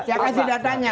saya kasih datanya